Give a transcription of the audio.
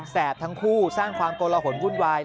แบทั้งคู่สร้างความโกละหนวุ่นวาย